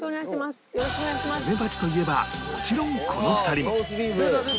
スズメバチといえばもちろんこの２人